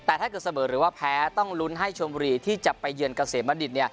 แต่ถ้าเกิดเสมอหรือว่าแพ้ต้องลุ้นให้ชมบุรีที่จะไปเยือนเกษมบัณฑิต